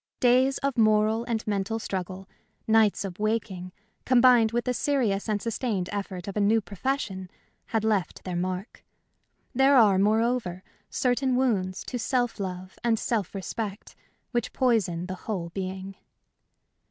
Days of moral and mental struggle, nights of waking, combined with the serious and sustained effort of a new profession, had left their mark. There are, moreover, certain wounds to self love and self respect which poison the whole being.